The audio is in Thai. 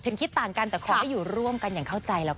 ทำคิดต่างกันแต่อยู่ร่วมกันอย่างเข้าใจแล้ว